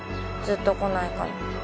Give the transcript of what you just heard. ずっと来ないから。